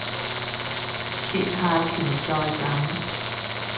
刷下存在感